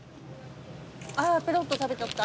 あペロッと食べちゃった。